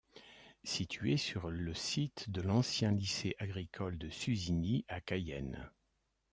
Située sur le site de l'ancien Lycée agricole de Suzini à Cayenne.